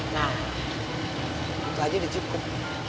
nah itu aja udah cukup